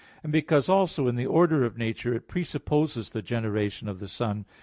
4, ad 3), and because also in the order of nature it presupposes the generation of the Son.